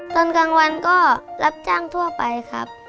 ตอนกลางวันก็รับจ้างทั่วไปครับ